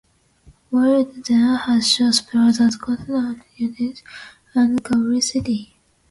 Boothroyd then had short spells at Colchester United and Coventry City.